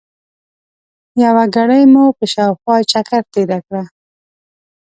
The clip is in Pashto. یوه ګړۍ مو په شاوخوا چکر تېره کړه.